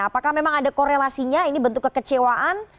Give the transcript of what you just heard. apakah memang ada korelasinya ini bentuk kekecewaan